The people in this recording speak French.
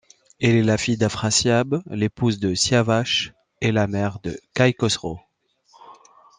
Elle est la fille d'Afrassiab, l'épouse de Siavach et la mère de Kai Khosro.